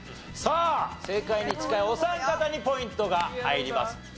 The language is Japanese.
さあ正解に近いお三方にポイントが入ります。